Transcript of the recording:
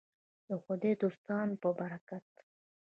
د خدای دوستانو په برکت.